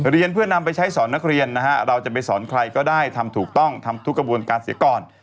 เรียนเพื่อนำไปใช้สอนนักเรียนนะฮะเราจะไปสอนใครก็ได้ทำถูกต้องทำทุกกระบวนการเสียก่อน